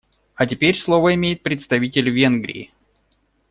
А теперь слово имеет представитель Венгрии.